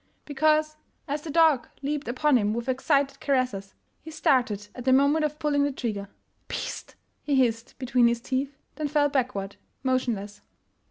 Because, as the dog leaped upon him with excited caresses, he started at the moment of pulling the trigger. '' Beast !'' he hissed between his teeth, then fell backward, motionless.